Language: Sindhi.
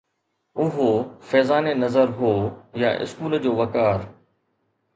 اهو فيضان نظر هو يا اسڪول جو وقار